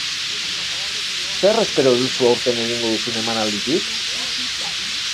Zer espero duzu aurten egingo duzun emanalditik?